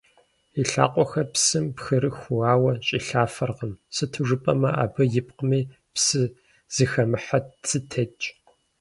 И лъакъуэхэр псым пхырыху, ауэ щӀилъафэркъым, сыту жыпӀэмэ, абы ипкъми, псы зыхэмыхьэ цы тетщ.